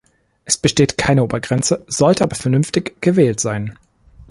Es besteht keine Obergrenze, sollte aber vernünftig gewählt sein.